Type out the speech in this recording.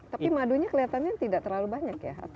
tapi madunya kelihatannya tidak terlalu banyak ya